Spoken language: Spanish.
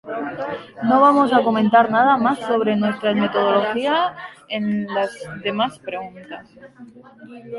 No vamos a comentar nada más sobre nuestra metodología en las demás preguntas".